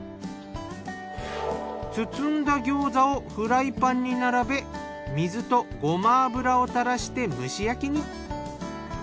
包んだギョーザをフライパンに並べ水とごま油をたらして蒸し焼きに。